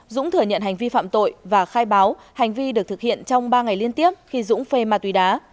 dũng thừa nhận hành vi phạm tội và khai báo hành vi được thực hiện trong ba ngày liên tiếp khi dũng phê ma túy đá